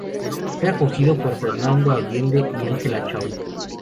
Fue acogido por Fernando Allende y Angela Chow.